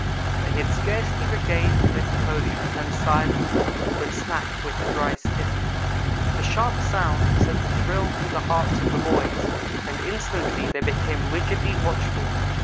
They had scarcely regained their composure and silence when, "snap!" went a dry stick. The sharp sound sent a thrill through the hearts of the boys, and instantly they became rigidly watchful.